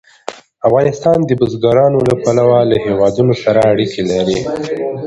افغانستان د بزګانو له پلوه له هېوادونو سره اړیکې لري.